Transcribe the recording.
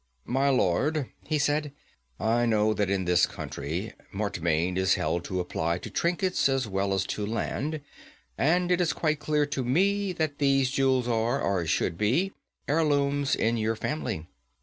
"My lord," he said, "I know that in this country mortmain is held to apply to trinkets as well as to land, and it is quite clear to me that these jewels are, or should be, heirlooms in your family.